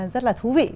rất là thú vị